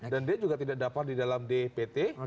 dan dia juga tidak dapat di dalam dpt